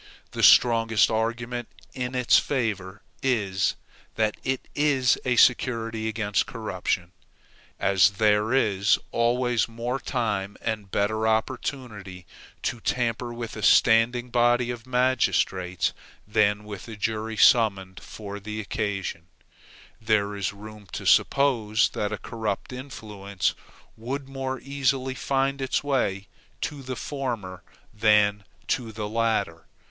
The strongest argument in its favor is, that it is a security against corruption. As there is always more time and better opportunity to tamper with a standing body of magistrates than with a jury summoned for the occasion, there is room to suppose that a corrupt influence would more easily find its way to the former than to the latter.